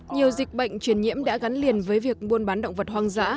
nhiều dịch bệnh truyền nhiễm đã gắn liền với việc buôn bán động vật hoang dã